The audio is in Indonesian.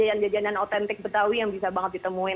tidak ada jajanan jajanan otentik betawi yang bisa banget ditemuin